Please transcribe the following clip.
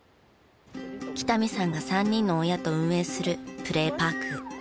北見さんが３人の親と運営するプレーパーク。